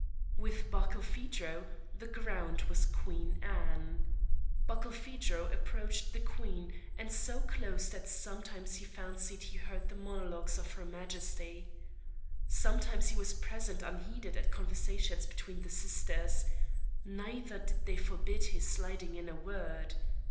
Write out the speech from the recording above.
With Barkilphedro the ground was Queen Anne. Barkilphedro approached the queen, and so close that sometimes he fancied he heard the monologues of her Majesty. Sometimes he was present unheeded at conversations between the sisters. Neither did they forbid his sliding in a word.